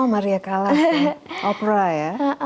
oh maria callas opera ya